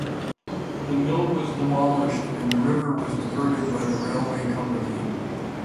The mill was demolished and the river was diverted by the railway company.